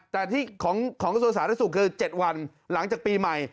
แต่ที่ของกระทรวงสาธารณสุขคือ๗วันหลังจากปีใหม่